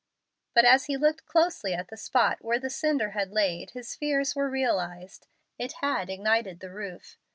But as he looked closely at the spot where the cinder had laid, his fears were realized. It had ignited the roof.